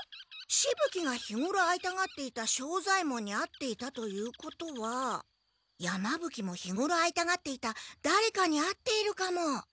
しぶ鬼が日ごろ会いたがっていた庄左ヱ門に会っていたということは山ぶ鬼も日ごろ会いたがっていただれかに会っているかも。